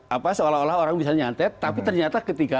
apa seolah olah orang bisa nyantet tapi ternyata ketika